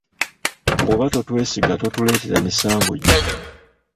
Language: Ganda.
Bw'oba totwesiga totuleetera misango gyo.